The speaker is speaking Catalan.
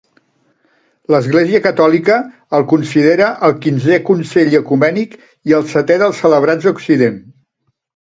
L'Església catòlica el considera el quinzè concili ecumènic, i el setè dels celebrats a Occident.